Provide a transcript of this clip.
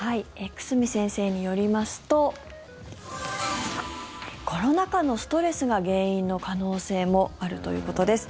久住先生によりますとコロナ禍のストレスが原因の可能性もあるということです。